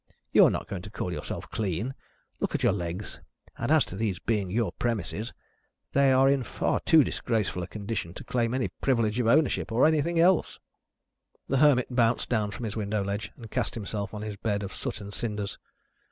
You are not going to call yourself clean? Look at your legs. And as to these being your premises: they are in far too disgraceful a condition to claim any privilege of ownership, or anything else." The Hermit bounced down from his window ledge, and cast himself on his bed of soot and cinders.